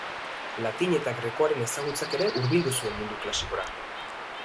Latin eta grekoaren ezagutzak ere hurbildu zuen mundu klasikora.